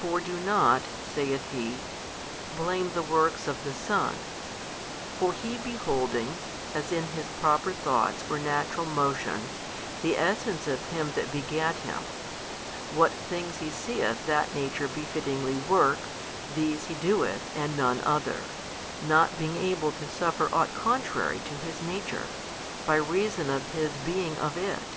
For do not (saith He) blame the works of the Son: for He beholding, as in His Proper Thoughts or Natural Motions, the Essence of Him That begat Him; what things He seeth That Nature befittingly work, these He doeth and none other, not being able to suffer ought contrary to His Nature, by reason of His being of It.